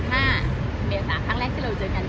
มีวัฏาทางแรกที่เราเจอกัน